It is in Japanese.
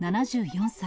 ７４歳。